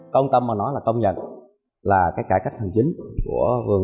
công tâm mà nói là công nhận là cái cải cách hành chính của vườn